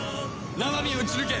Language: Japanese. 生身を撃ち抜け！